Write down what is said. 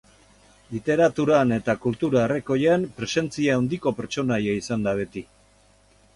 Literaturan eta kultura herrikoian presentzia handiko pertsonaia izan da beti.